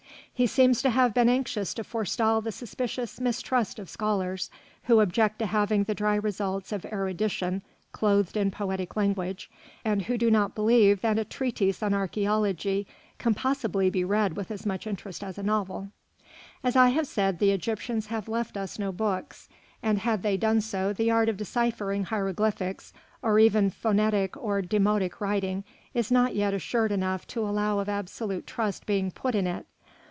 He seems to have been anxious to forestall the suspicious mistrust of scholars, who object to having the dry results of erudition clothed in poetic language, and who do not believe that a treatise on archæology can possibly be read with as much interest as a novel. As I have said, the Egyptians have left us no books, and had they done so the art of deciphering hieroglyphics or even phonetic or demotic writing is not yet assured enough to allow of absolute trust being put in it.